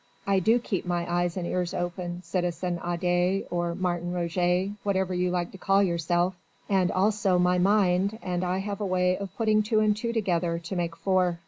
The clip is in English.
I do keep my eyes and ears open, citizen Adet or Martin Roget, whatever you like to call yourself, and also my mind and I have a way of putting two and two together to make four.